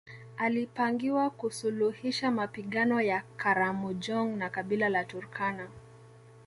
Alipangiwa kusuluhisha mapigano ya Karamojong na kabila la Turkana